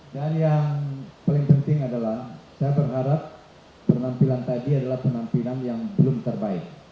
dan yang paling penting adalah saya berharap penampilan tadi adalah penampilan yang belum terbaik